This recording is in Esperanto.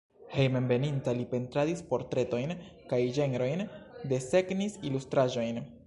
Hejmenveninta li pentradis portretojn kaj ĝenrojn, desegnis ilustraĵojn.